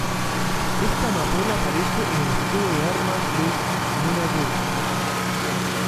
Esta amapola aparece en el escudo de armas de Nunavut.